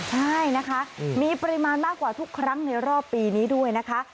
ใช่นะคะมีปริมาณมากกว่าทุกครั้งในรอบปีนี้ด้วยนะคะ